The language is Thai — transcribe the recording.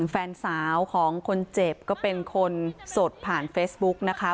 แฟนสาวของคนเจ็บก็เป็นคนสดผ่านเฟซบุ๊กนะคะ